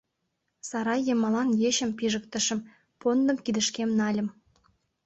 Сарай йымалан ечым пижыктышым, пондым кидышкем нальым.